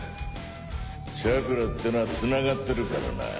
チャクラってのはつながってるからな。